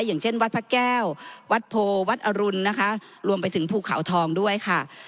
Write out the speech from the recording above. อย่างเช่นวัดพระแก้ววัดโพวัดอรุณนะคะรวมไปถึงภูเขาทองด้วยค่ะ